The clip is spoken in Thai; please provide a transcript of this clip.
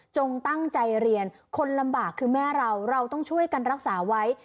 ตั้งใจเรียนคนลำบากคือแม่เราเราต้องช่วยกันรักษาไว้